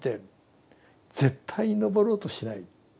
絶対登ろうとしない。